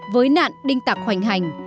với nạn đinh tặc hoành hành